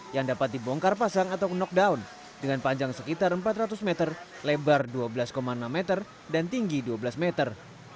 yang dapat dibongkar pasang atau knockdown dengan panjang sekitar empat ratus meter lebar dua belas enam meter dan tinggi dua belas meter